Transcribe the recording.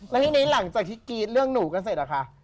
และที่นี้หลังจากที่กีธเรื่องหนูกันเสร็จ